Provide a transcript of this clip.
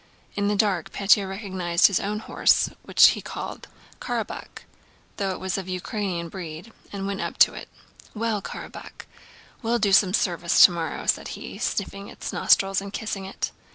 In the dark Pétya recognized his own horse, which he called "Karabákh" though it was of Ukranian breed, and went up to it. "Well, Karabákh! We'll do some service tomorrow," said he, sniffing its nostrils and kissing it.